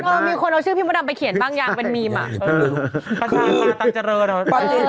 มีคนเอามีคนเอาชื่อพี่มดำไปเขียนบ้างยางเป็นรอบอ่๋อ